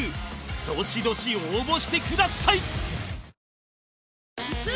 どしどし応募してください